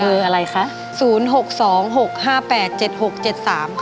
อะไรคะ๐๖๒๖๕๘๗๖๗๓ค่ะ